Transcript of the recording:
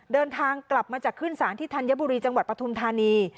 เดินทางกลับมาจากขึ้นศาลที่ธัญบุรีจังหวัดปฐุมธานี